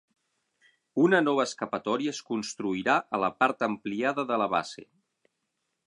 Una nova escapatòria es construirà a la part ampliada de la base.